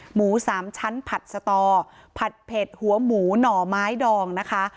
หมูสามชั้นผัดสตอผัดเผ็ดหัวหมูหน่อไม้ดองนะคะ